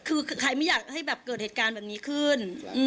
คือใครไม่อยากให้แบบเกิดเหตุการณ์แบบนี้ขึ้น